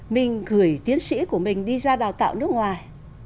minh gửi tiến sĩ của mình đi ra đào tạo nước ngoài